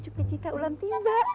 cukup cita ulang timba